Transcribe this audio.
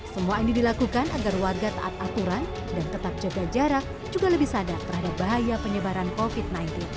semua ini dilakukan agar warga taat aturan dan tetap jaga jarak juga lebih sadar terhadap bahaya penyebaran covid sembilan belas